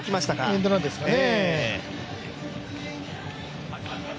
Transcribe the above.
エンドランですかね。